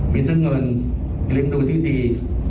มีเท่าเงินเล็งดูที่ดี